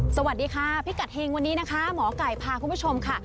สวัสดีค่ะพิกัดเฮงวันนี้นะคะหมอไก่พาคุณผู้ชมค่ะ